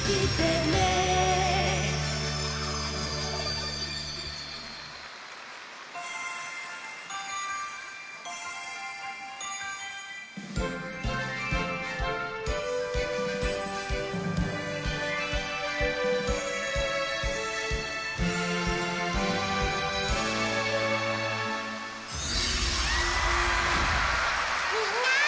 みんな。